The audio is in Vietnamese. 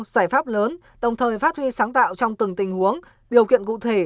giải pháp lớn đồng thời phát huy sáng tạo trong từng tình huống điều kiện cụ thể